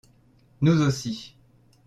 Nous aussi.